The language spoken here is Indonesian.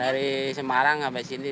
dari semarang sampai sini tiga jam